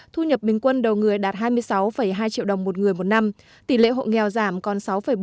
thu nhập bình quân đầu người đạt hai mươi sáu hai triệu đồng một người một năm tỷ lệ hộ nghèo giảm còn sáu bốn